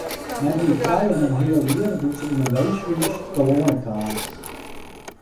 Mem wie trije en in heal jier doe't se yn in weeshûs telâne kaam.